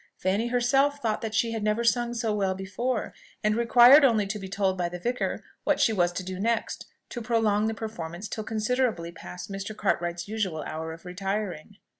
Fanny herself thought she had never sung so well before, and required only to be told by the vicar what she was to do next, to prolong the performance till considerably past Mr. Cartwright's usual hour of retiring.